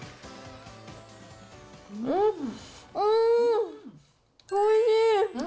うーん、おいしい。